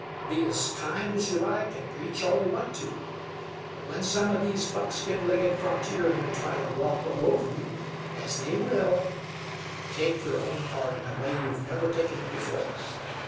Be as kind as you like, and preach all you want to; but when some of these buckskin legged frontiermen try to walk all over you, as they will, take your own part in a way you have never taken it before.